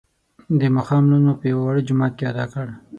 د ماښام لمونځ مو په یوه واړه جومات کې ادا کړ.